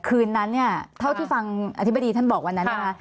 คืนนั้นเนี่ยเท่าที่ฟังอธิบดีท่านบอกวันนั้นนะคะ